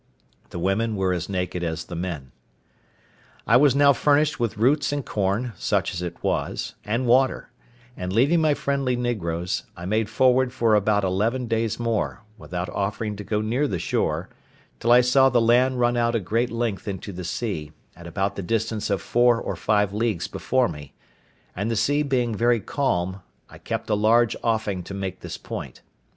The women were as naked as the men. I was now furnished with roots and corn, such as it was, and water; and leaving my friendly negroes, I made forward for about eleven days more, without offering to go near the shore, till I saw the land run out a great length into the sea, at about the distance of four or five leagues before me; and the sea being very calm, I kept a large offing to make this point.